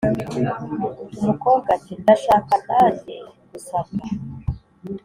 umukobwa ati: "Ndashaka nanjye gusabwa"